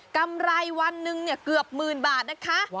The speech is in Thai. ำไรวันหนึ่งเกือบหมื่นบาทนะคะ